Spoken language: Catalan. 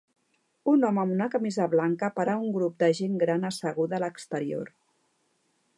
Un home amb una camisa blanca para a un grup de gent gran asseguda a l'exterior.